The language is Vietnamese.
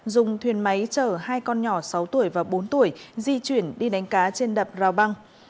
dùng thuyền máy chở hai con nhỏ sáu tuổi và bốn tuổi di chuyển đi đánh cá trên đập rào băng